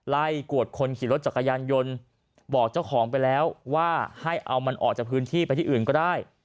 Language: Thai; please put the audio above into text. กวดคนขี่รถจักรยานยนต์บอกเจ้าของไปแล้วว่าให้เอามันออกจากพื้นที่ไปที่อื่นก็ได้